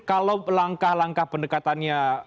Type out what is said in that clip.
kalau langkah langkah pendekatannya